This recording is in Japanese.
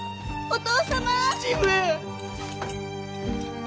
お父様！